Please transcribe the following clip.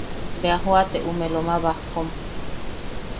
Bea joate ume Loma Bajkom.